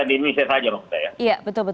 di indonesia saja